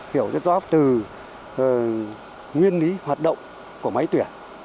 hiểu rất rõ từ nguyên lý hoạt động của máy tuyển